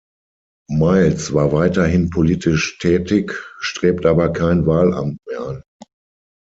Miles war weiterhin politisch tätig, strebte aber kein Wahlamt mehr an.